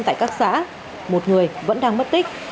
tại các xã một người vẫn đang mất tích